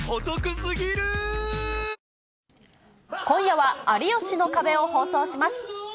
今夜は、有吉の壁を放送します。